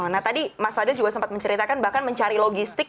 nah tadi mas fadil juga sempat menceritakan bahkan mencari logistik